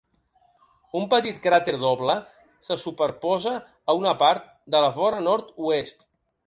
Un petit cràter doble se superposa a una part de la vora nord-oest.